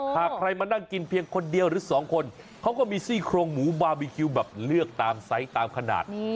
หากใครมานั่งกินเพียงคนเดียวหรือสองคนเขาก็มีซี่โครงหมูบาร์บีคิวแบบเลือกตามไซส์ตามขนาด